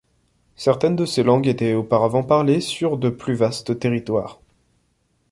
Certaines de ces langues étaient auparavant parlées sur de plus vastes territoires.